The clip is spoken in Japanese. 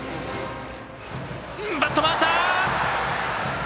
バット回った！